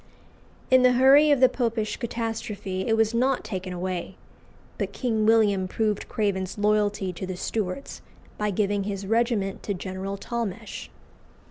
In the hurry of the Popish catastrophe it was not taken away. But King William proved Craven's loyalty to the Stuarts by giving his regiment to General Talmash.